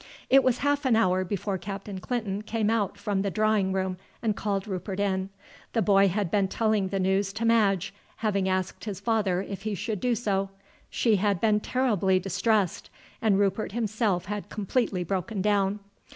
It was half an hour before Captain Clinton came out from the drawing room and called Rupert in. The boy had been telling the news to Madge, having asked his father if he should do so. She had been terribly distressed, and Rupert himself had completely broken down.